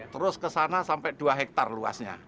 terus kesana sampai dua hektar luasnya